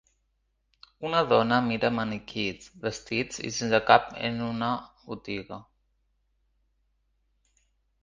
Una dona mira maniquís vestits i sense cap en una botiga.